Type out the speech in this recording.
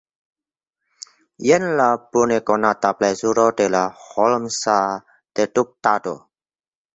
Jen la bonekonata plezuro de la holmsa deduktado.